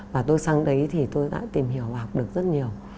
và tôi sang đấy thì tôi đã tìm hiểu và học được rất nhiều